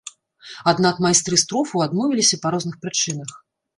Аднак майстры строфаў адмовіліся па розных прычынах.